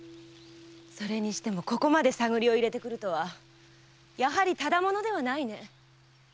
それにしてもここまで探りを入れてくるとはやはりただ者ではないね？